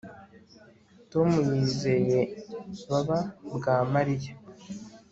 Tom yizeye baba bwa Mariya